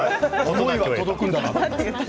思いは届くんだと。